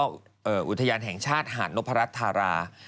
ก็อุทยานแห่งชาติหานพระรัตน์ธารา